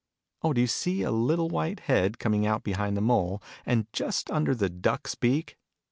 Oh, do you see a little white head, coming out behind the Mole, and just under the Duck's beak